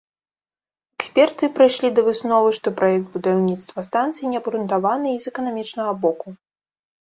Эксперты прыйшлі да высновы, што праект будаўніцтва станцыі неабгрунтаваны і з эканамічнага боку.